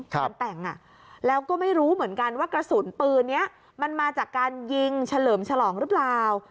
การแต่งแล้วก็ไม่รู้เหมือนกันว่ากระสุนปืนนี้มันมาจากการยิงเฉลิมฉลองหรือเปล่า